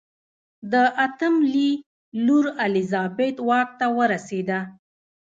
د اتم لي لور الیزابت واک ته ورسېده.